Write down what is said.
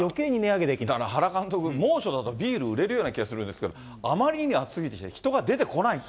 だから原監督、猛暑だとビール売れるような気がするんですけれども、あまりに暑すぎて人が出てこないって。